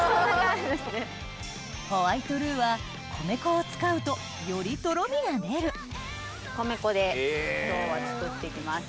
ホワイトルーは米粉を使うとよりとろみが出る米粉で今日は作っていきます。